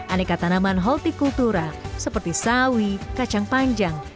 aneka tanaman holti kultura seperti sawi kacang panjang